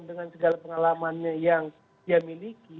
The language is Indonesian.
dengan segala pengalamannya yang dia miliki